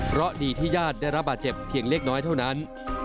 เพราะดีที่ญาติได้รับบาดเจ็บเพียงเล็กน้อยเท่านั้น